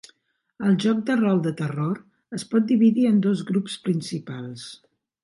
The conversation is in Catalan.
El joc de rol de terror es pot dividir en dos grups principals.